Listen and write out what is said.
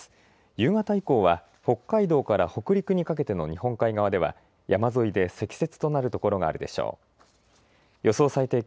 夕方以降は北海道から北陸にかけての日本海側では山沿いで積雪となる所があるでしょう。